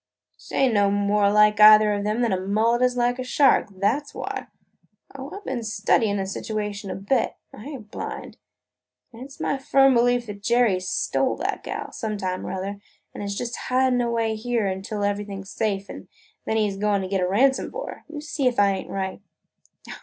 "She ain't no more like either of 'em than a mullet is like a shark; that 's why. Oh, I 've been studyin' the situation a bit! I ain't blind. An' it 's my firm belief that Jerry stole that gal – some time or other – an' is just hidin' away here till everything 's safe an' then he 's goin' to get a ransom for her! You see if I ain't right!"